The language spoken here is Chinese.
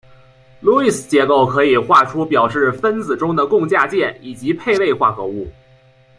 路易斯结构可以画出表示分子中的共价键以及配位化合物。